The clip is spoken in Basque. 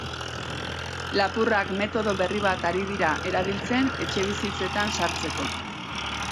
Lapurrak metodo berri bat ari dira erabiltzen etxebizitzetan sartzeko.